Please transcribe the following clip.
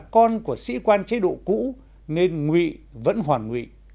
con của sĩ quan chế độ cũ nên ngụy vẫn hoàn ngụy